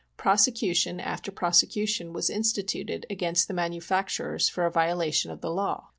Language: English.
Prosecution after prosecution was instituted against the manufacturers for a violation of the law.